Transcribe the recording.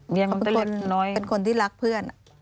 เป็นคนที่รักเพื่อน